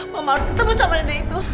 mama harus ketemu sama nenek itu